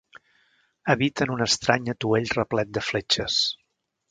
Habita en un estrany atuell replet de fletxes.